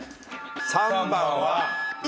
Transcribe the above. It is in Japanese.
３番は。